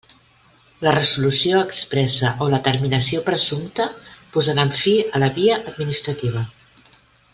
La resolució expressa o la terminació presumpta posaran fi a la via administrativa.